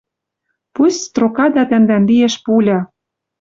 Пусть строкада тӓмдӓн лиэш пуля